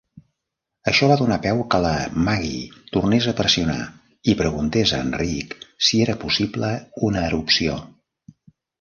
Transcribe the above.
Això va donar peu que la Maggie tornés a pressionar i preguntés a en Rick si era possible una erupció.